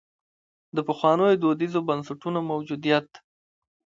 د پخوانیو دودیزو بنسټونو موجودیت.